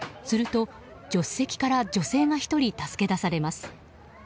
すると、助手席から女性が１人助け出されます。